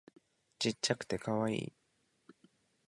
ちっちゃくてカワイイ